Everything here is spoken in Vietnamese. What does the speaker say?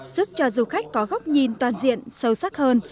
giúp cho du khách có góc nhìn toàn diện sâu sắc hơn